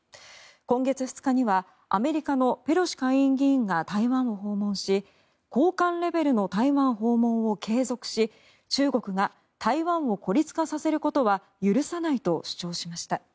今月２日にはアメリカのペロシ下院議員が台湾を訪問し高官レベルの台湾訪問を継続し中国が台湾を孤立化させることは許さないと主張しました。